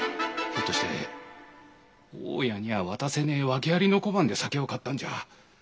ひょっとして大家には渡せねえ訳ありの小判で酒を買ったんじゃ。